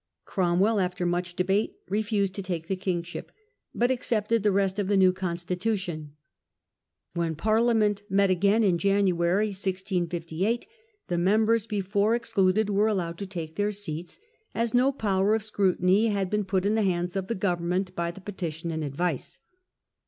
Cromwell, after much debate, refused to take the kingship, but accepted the rest of the new constitution. When Parliament met again in January, 1658, the members before excluded were allowed to take their Again the seats, as no power of scrutiny had been put plan fails, jn the hands of the government by the "Petition and Advice".